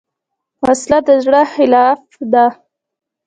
وسله د زړه خلاف ده